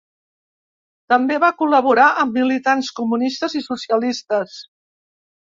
També va col·laborar amb militants comunistes i socialistes.